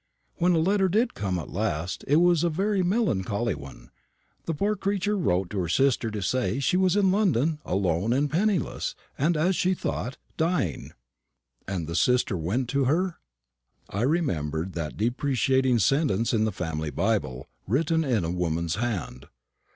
When a letter did come at last, it was a very melancholy one. The poor creature wrote to her sister to say she was in London, alone and penniless, and, as she thought, dying." "And the sister went to her?" I remembered that deprecating sentence in the family Bible, written in a woman's hand.